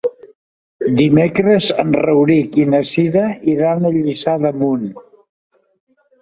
Dimecres en Rauric i na Cira iran a Lliçà d'Amunt.